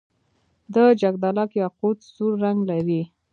د جګدلک یاقوت سور رنګ لري.